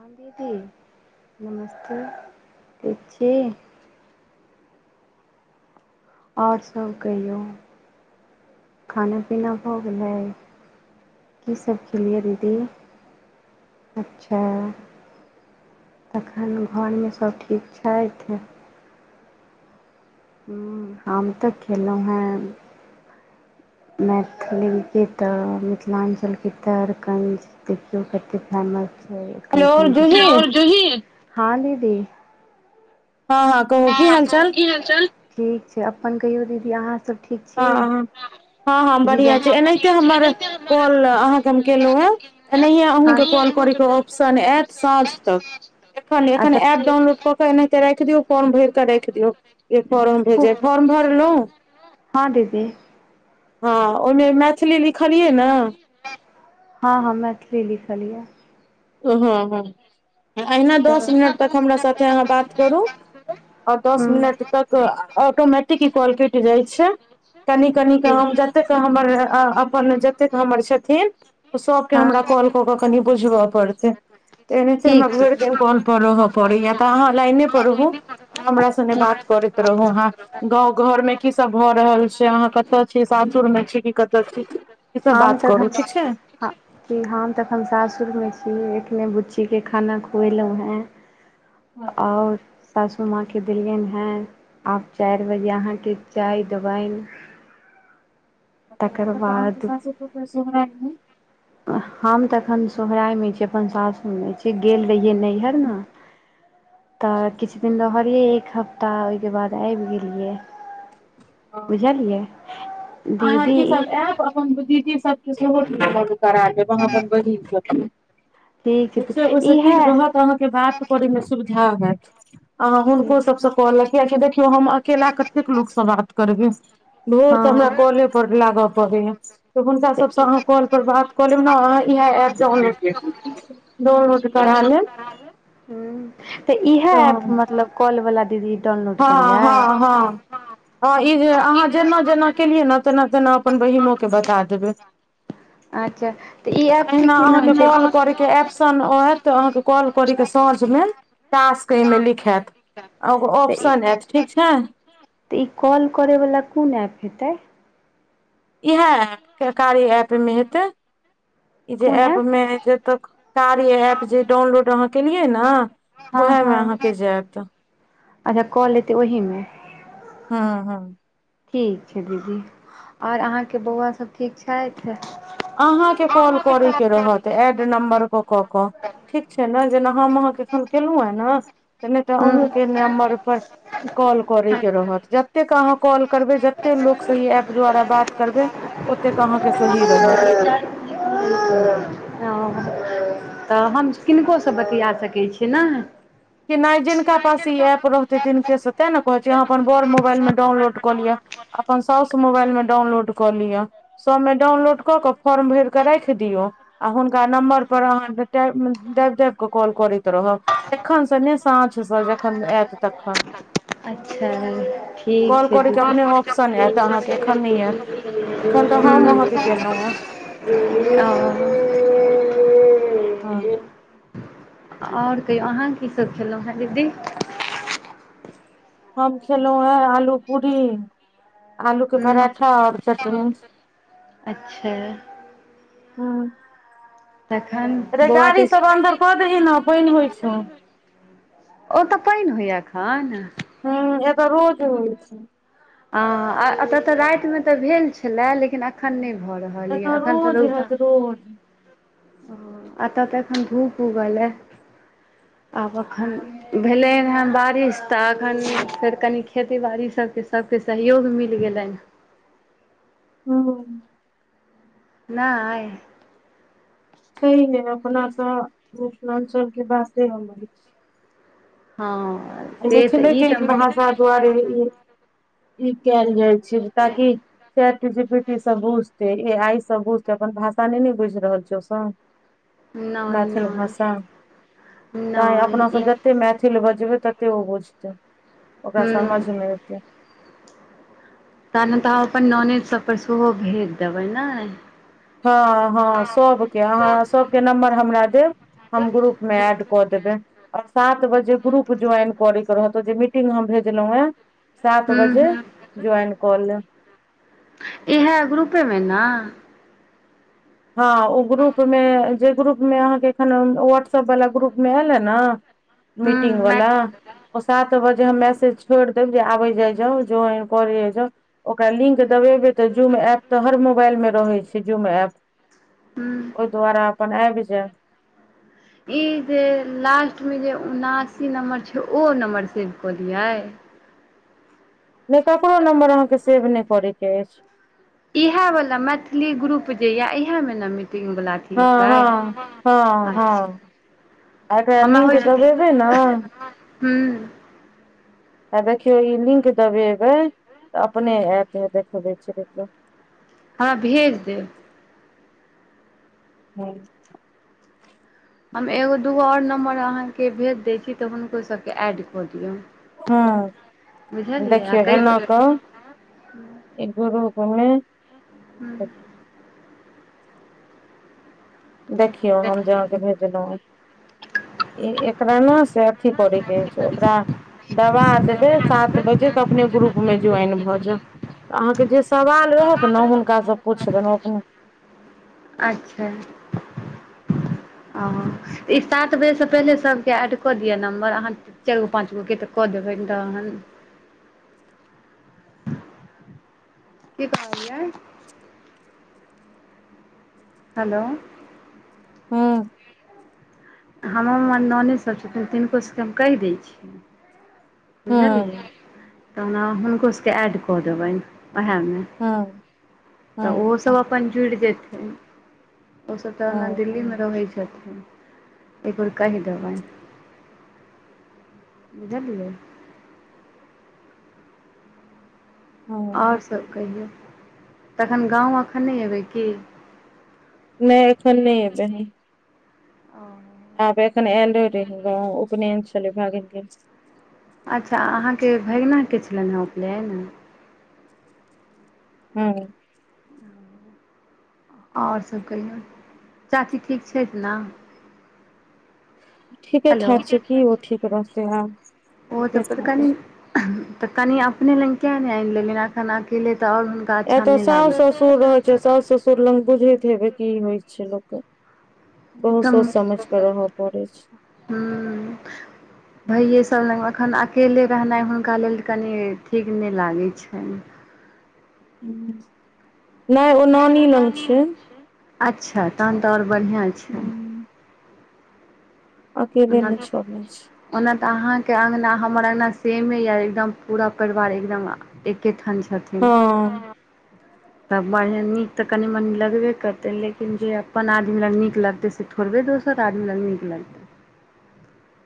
हँ दीदी नमस्ते ठिक छि आओर सभ कहियौ खाना पीना भऽ गेलैय कीसभ खेलियै दीदी अच्छा तखन घरमे सब ठीक छथि हुँ हम तऽ खेलों हँ मैथिली की तऽ मिथिलांचल तऽ [inaudible] देखियों कैतेक फेमस हेलो जूही छै [unintelligible] हँ हँ कहू की हाँ हाल कहियों चाल की हाल चाल ठीक छै अपन कहियौ दीदी अहाँ सब ठीक हँ छी हँ [inaudible] हँ हँ बढ़िआँ छै एनाहिते हमर कॉल अहाँकेँ हम केलहुँ हऽ एनाहिये अहुँ कॉल करे के ऑप्शन ऐत साँझ तक एखन नै एखन तक एप डाउनलोड कऽ भेर ओनाहितै राखि दियौ फॉर्म भर केँ रख दियौ जे फॉर्म भेजे फॉर्म भरलु हँ दीदी हँ ओइम मैथिली लिखलियै नऽ [inaudible] हँ हँ मैथिली लिखलिय [unintelligible] अहिना दस मिनट तक हमरा साथे अहाँ बात करु और दस मिनट तक तऽ ऑटोमेटिक इ कॉल कैट जाय छै कनि कनी हम जतैक अहाँ हमर अपन जतेक हमर छथिन सबके क हमरा कॉल कऽ केँ कनि बुझब पड़तै [inaudible] एनाहित ठीक हमरा छै भैर दिन कॉल पऽ रह पड़ैय तऽ अहाँ लाइने पऽ रहूँ हमरा सने की बात करैत रहु अहाँ गाँव घर मे की सब भऽ रहल छै अहाँ कतऽ छी सासुर मे छी कि कतऽ छी इ सब हम बात करू तखन ठीक छै कि हम एखन साससुरमे छी एखने बुच्चीकेँ खाना खुएलु है [inaudible] हँ और सासूमाँ केँ देलियनि हँ आब चार बजे अहाँ केँ चाय देबैन अच्छ ओत बाद आह केँ [unintelligible] हम तऽ अखन सोहराय में छी अपन सासुर में छी गेल रहियै नै मे? [inaudible] तऽ किछ दिन रहलिए एक हफ तऽ ओए केँ बाद आइब गेलियै हँ बुझलियै [inaudible] अहाँ दीदी ई सब इ आयब अपन दीदी सब [unintelligible] अहाँ अपन बहिन सब केँ ठीक [inaudible] छै ओइस की इहे रहत अहाँकेँ बात ठीक करे मे सुविधा है तऽ [inaudible] अ हुनको सबसँ कऽ लैब किया की देखिय हम अकेला कतेक लोक सँ बात करबे भौर सँ हमरा हँ कॉले पर लाग पड़े यऽ तऽ हुनका सबसँ अहाँ कॉल पर बात कऽ लेब ने अहाँ इएह एप डाउनलोड [unintelligible] डाउनलोड करा लेब [inaudible] तऽ इएह ऐप तऽ मतलब कॉल वाला दीदी डाउनलोड हँ हँ हँ करियै [inaudible] हँ इ जे अहाँ जेना जेना केलियै न तेना तेना अपन बहिनो कऽ बता देबै अच्छ तऽ इ ऐप कऽ की नाम छै केँ एप्पशन ओ ऐैत तऽ अहाँ केँ कॉल कोरकें साँझ में टास्क एही में लिखैत [unintelligible] तऽ इ कॉल करै वला कोन ऐप हेतै इएह ऐप कारीया एप मे हेतै [inaudible] इ जे कोन एप ऐप मे ज तक कार्य एप जे डाउनलोड अहाँ केलियै नऽ हँ हँ [inaudible] अच्छा कॉल एतै ओहिमे हँ हँ ठीक छै दीदी आओर अहाँके बौआ सब। ठीक छैथ अहाँ के तऽ ऐड नम्बर कऽ क ठीक छै ने जेना हम अहाँके एखन केलहुँ है न नहि तऽ हूँ अहुके नम्बर पर कॉल करयके रहत जतेक अहाँ कॉल करबै जते लोकसँ ई ऐप द्वारा बात करबैय ओते अहाँके सही रहत ह तऽ हम किनकोसँ बतिया सकैत छियै नऽ कि नहि जिनका पास ई ऐप रहते तिनके से तै न कहे छी अपन बोर मोबाइल मे डाउनलोड कऽ लिअ अपन साउस मोबाइल मे डाउनलोड कऽ लिअ सबमे डाउनलोड कऽ के फॉर्म भर केऽ राखि दियऔ आ हुनका नम्बर पर अहाँ दाईब दाइब के कॉल करैत रहब तखन ने साँझ स जखन ऐत तखन अच्छा कॉल करयके अपने ठीक ऑप्शन आयत अहाँके छै एखन नहि आयत त एखन तऽ हम अहाँके ह केलहुँ हेँ [unintelligible] तऽ हँ आओर कहियौ अहाँ की सभ खेलहुँ हेँ दीदी हम खेलहुॅं हे आलू पूरी आलू के हूँ पराठा आऔर चटनी अच्छा हम्म तखन रे बौआ तऽ गाड़ी इस ओ सब अन्दर कऽ दही ने पानि होइ छो ओ तऽ पानि होइया एखन हम्म एतऽ रोज होइ छै हँ एतय तऽ रातिमे तऽ भेल छलए लेकिन अखन नहि भऽ रहल यए एतऽ एखन तऽ रोज रौदा हैत रोज एतऽ तऽ एखन धूप उगलै आब एखन भेलै हँ बारिश तऽ एखन फेर कनि खेती बाड़ी सबके सबके सहयोग मिल गेलनि ह आइ छैय हे अपना तऽ मिथिलाञ्चल के बाते हँ आइ मिथिलेके ई भाषा दुआारे ई कैयल जाइ छैय ताकि चैट जीपीटी सब बुझतए ऐ आई सब बुझतए अपन भाषा नई न बुईझ रहल छय उसब [unintelligible] [inaudible] नहि मैथिल नहि भाषा तैय नहि अपनासभ ई जतेक मैथिल बजबै ततेक तते ओ बुझतै ओकरा ह्म समझ मे एतै तहन हम अपन ननइद सब पर सेहो भेज देबै नय हँ हँ सबके अहाँ सबके नम्बर हमरा देब हम ग्रुप मे एड कऽ देबैय आओर सात बजे ग्रुप ज्वाइन करके रहतो जे मीटिंग हम भेजलहुँ हें सात ह्म बजे ह्म जॉइन कऽ लेब इहै ग्रुपेमे नऽ हँ ओ ग्रुप मे जे ग्रुप मे अहाँके एखन व्हाट्सएप वाला ग्रुप मे एयलह न मीटिंग ह्म मै वला ओ सात बजे हम मैसेज छोड़ देब जे आबै जाई जाउ ज्वाइन करई जाउ जाउ ओकरा लिंक दबेबे तऽ जूम एप तऽ हर मोबाइल मे रहै छैय जूम एप ह्म ओहि दुआरा अपन आबि जेऽ ई जे लास्टमे जे उनासी नम्बर छैय ओ नम्बर सेव कऽ दियै नहि ककरो नम्बर अहाँके सेव नहि करय के अछि इहे वाला मैथिली ग्रुप जे य इहे मे ने मीटिंग वाला अथी हँ एतै हँ हँ अच्छा हँ एकरा हमरा लिंक होइ छलै दबेबै ने आ ह्म ह्म देखियौ ई लिंक दबेबै त अपने हमरा ऐत हैया देखबै छि देखियऊ हं भेज देब ह् हम एगो दूगो आओर नम्बर अहाँकेँ भेज दै छी तऽ हुनकोसभके ऐड कऽ दियौ ह बुझलियै आ देखियौ कहि एना देबै क ई ग्रुप में [inaudible] देखियौ हम जे अहां के भेजलहुं ई एकरा ने स अथी करेय के ओकरा दबा देबै सात बजे तऽ अपने ग्रुप मे ज्वाइन भऽ जाउ तऽ अहाँके जे सवाल रहत न हुनकासँ पुछबनि ओ अपने अच्छा [inaudible] हं ई सात बजेसँ पहिले सभके ऐड कऽ दिअ नम्बर अहाँके चाईरगो पांचगो के तऽ क देबैन तहन की कहलियई हेलो हं हममर ननैद सब छथिन तीनको सबके हम कहि दै छियै हूँ बुझलियै तऽ ओना हुनको सभके ऐड कऽ देबनि उएहमे हूँ तऽ ओहोसभ अपन जुड़ि जेथिन ओसभ तऽ हूँ ओना दिल्लीमे रहै छथिन एक बेर कहि देबनि बुझलियै हूँ हूँ आओर सब कहियौ तहन गाँव एखन नहि एबै की नहि एखन नहि एबै हम ओ आब एखन आयलो रही गांव उपनयन छलै भागिन के अच्छा अहाँके भगिनाके छलनि हँ उपलेन हँ आओर सब कहियौ चाची ठीक छथि न ठीके हेलो ठाक छै की ओ ठीक रहतै आब ओ त ठीके [unintelligible] ठाक क छै तऽ कनि अपने लग किए नहि आनि लेलियैन एखन अकेले तऽ आओर अच्छा एतऽ नहि लागै साउस ओ ससुर रहै छै साउस ससुर लग बुझैहत हेबै की होइ छै लोकके बहुत सोच समझ क तऽ रहय पड़ै छै हूँ [inaudible] भइये सबले अखन अकेले रहनाइ हुनका लेल कनि ठीक नहि लागै छनि हूं नहि ओ नानी लन छै अच्छा तहन तऽ आओर बढ़ियां छै अकेले ओना नहि छोड़ै छै ओना तऽ अहाँके अङ्गना हमर अङ्गना सेमे यए एकदम पूरा परिवार एकदम एके ठाम छथिन हँ तऽ बढ़ि नीक तऽ कनी मनी लगबे करतै लेकिन जे अपन आदमी नीक लगतै से थोड़बे दोसर आदमी लग नीक लगतै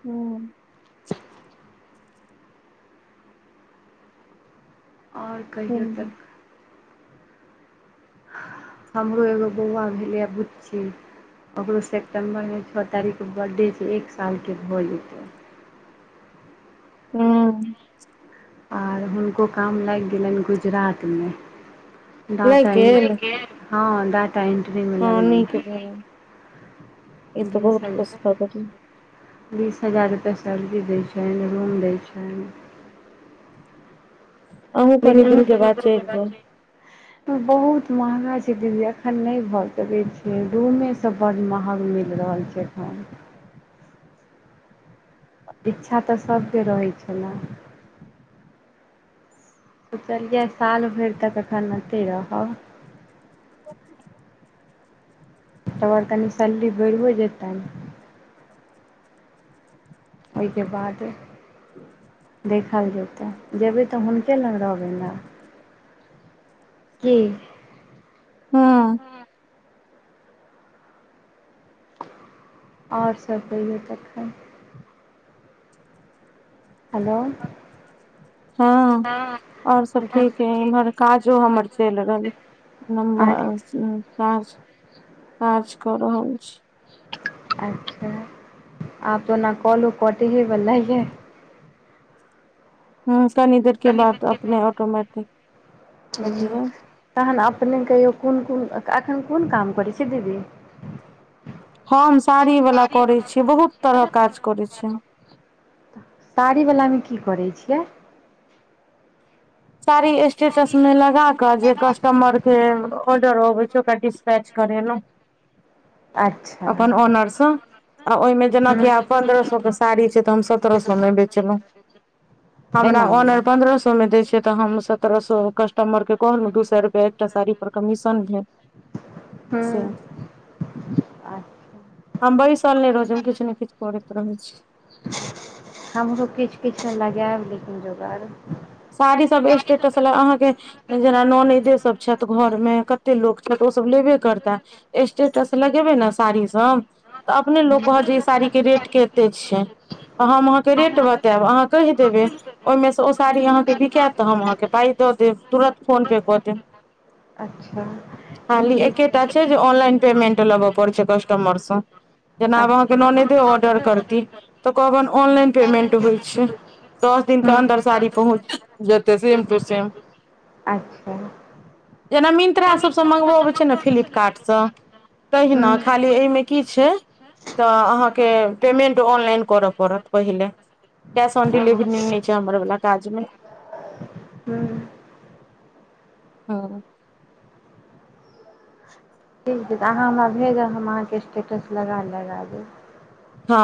हूं आओर कहियौ सही। तक [inaudible] हमरो एगो बौआ भेलैए बुच्ची ओकरो सेप्टेम्बरमे छऽ तारीख के बर्थडे छै एक सालके भऽ जेतै हँ आर हुनको काम लागि गेलनि गुजरातमे लागि डाटा इं गेल हँ डाटा एंट्री मे हँ लगलै नीक हं भेल ई तऽ बीस बहुत खुश हजा खबरी बीस हजार रुपैआ सैलेरी दै छनि रूम दै छनि अहुं कनि दिनके बाद चलि जायब बहुत महगा छै दीदी अखन नहि भऽ सकै छै रूमेसँ बड़ महग मिल रहल छै हं इच्छा तऽ सभके रहै छै न सोचलियै साल भरि तक एखन अते रहब त आर कनि सैलरी बैरो जेतनि ओहिके बाद देखल जेतै जेबै तऽ हुनके लग रहबै ने की हूं आओर सब कहियो तखन हेलो हँ और सब ठीक यै इम्हर काजो हमर चलि अहाँके रहलयै काज काज क रहल छी अच्छा आब तो ओना कॉलो कटहे बला य हूं कनि देर के बाद त अपने ऑटोमटिक हूं तहन अपने कहियौ कोन कोन एखन कोन काम करै छी दीदी हम साड़ी वला करै छी बहुत तरहक काज करै छी हम साड़ी वलामे की करै छियै सारी स्टेटस में लगा क जे कस् टमर के ऑर्डर अबै छै होकरा डस्पैच करेलौं अच्छा अपन ऑनर स आ ओहिमे जेनाकि आब पन्द्रह सो के साड़ी छै तऽ हम सत्रह सएमे बेचलहुँ हमरा एना ऑनर मे पन्द्रह सो मे दै छिय तऽ हम सत्रह सो कस्टमरकेँ कहलहुँ दू सए रुपैआ दू से साड़ी पर कमीशन भेल से हूँ अच्छा हम बसिल नै रहै छी हम किछ ने किछ करैत रहै छी हमरो किछ किछ त लगेऽब लेकिन जोगाड़ साड़ी सब स्टेटस लऽ अहाँकेँ जेना नैनेदै सभ छैथ घरमे कते लोक छैथ ओसभ लेबे करताह स्टेटस लगेबै न साड़ी सम तऽ अपने लोक कहल जे इ साड़ीक केँ रेट कते छै तऽ हम अहाँकेँ रेट बतायब अहाँ कहि देबै ओइम सँ साड़ी अहाँकेँ बिकायत तऽ हम अहाँकेँ पाइ दऽ देब तुरन्त फोन पे कऽ देब अच्छ तऽ खाली ठीक है एकेटा छै जे ऑनलाइन पेमेंट लब पर छै कस्टमर सऽ [inaudible] जेना अब अहाँ नैनेदै ऑर्डर करती तऽ कहबै ऑनलाइन पेमेंट होइ अच्छा छै दस दिन केँ हम्म अन्दर साड़ी पहुँच जेतै सेम टू सेम अच्छ जेना मिंत्रा सभसँ मंगबबै छै नऽ फ्लिपकार्ट सँ हूँ तहिना खाली एहिमे की छै तऽ अहाँकेँ पेमेंट ऑनलाइन कर पड़त पहिले कैश ऑन डेलिवरी ठीक तऽ नै छै हमर बला काजमे [inaudible] हू [unintelligible] अहाँ हमरा भेजब हम अहाँकेँ स्टेटस लगा लगा देब हँ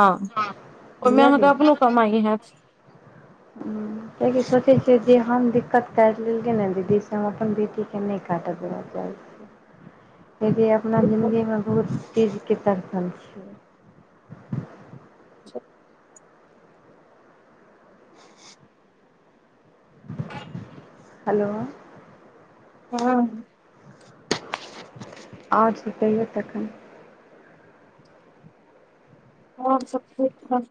[inaudible] ओमे अहाँकेँ अपनो कमइ है छ [inaudible] कियकि सोचै छियै जे हम दिक्कत काइट लेलकेँ ने दीदी से हम अपन बेटीकेँ नहि काट देब चाहै छिए [inaudible] किया की अपना जिन्दगीमे बहुत चीज केँ तड़सल छिए हेलो [unintelligible] और सब कहियों तखन और सब ठीक ठाक